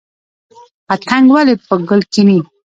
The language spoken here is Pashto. پتنګ ولې په ګل کیني؟